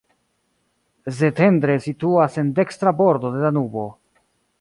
Szentendre situas en dekstra bordo de Danubo.